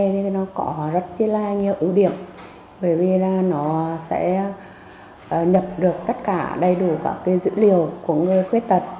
bởi vì nó sẽ nhập được tất cả đầy đủ các dữ liệu của người khuyết tật